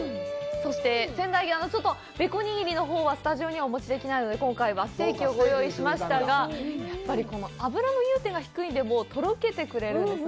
そして仙台牛のべこにぎりのほうはスタジオにお持ちできないので、今回はステーキをご用意しましたが、やっぱり脂の融点が低いのでとろけてくれるんですね。